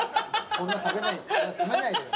そんな詰めないでよ。